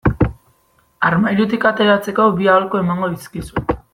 Armairutik ateratzeko bi aholku emango dizkizut.